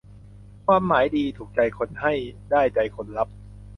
ความหมายดี ถูกใจคนให้ ได้ใจคนรับ